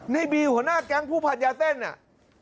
ในบีหัวหน้าแก๊งผู้พันยาเส้นเนี่ย